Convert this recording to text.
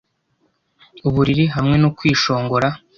uburiri hamwe no kwishongora